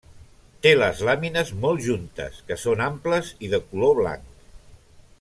Té les làmines molt juntes, que són amples i de color blanc.